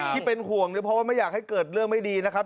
ที่เป็นห่วงเนี่ยเพราะว่าไม่อยากให้เกิดเรื่องไม่ดีนะครับ